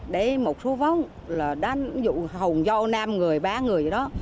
đấy một số võng là đánh dụng hồng do năm người ba người đó